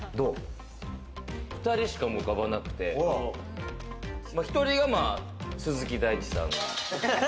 ２人しか浮かばなくて、１人が鈴木大地さん。